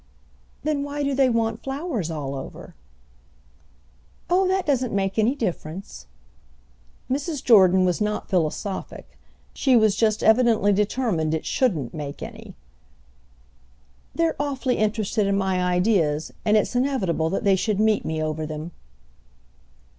"Then why do they want flowers all over?" "Oh that doesn't make any difference." Mrs. Jordan was not philosophic; she was just evidently determined it shouldn't make any. "They're awfully interested in my ideas, and it's inevitable they should meet me over them."